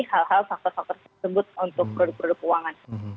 hal hal faktor faktor tersebut untuk produk produk keuangan